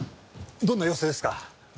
どんな様子ですか？